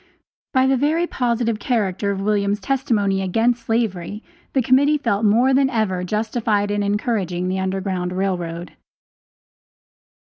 By the very positive character of William's testimony against slavery, the Committee felt more than ever justified in encouraging the Underground Rail Road.